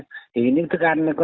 thì những thức ăn nó có khóa